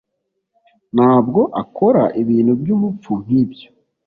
ntabwo akora ibintu byubupfu nkibyo